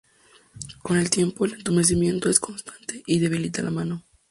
Con el tiempo el entumecimiento es constante y debilita la mano.